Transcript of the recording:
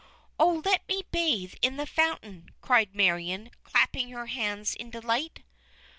"Oh, let me bathe in the Fountain!" cried Marion, clapping her hands in delight.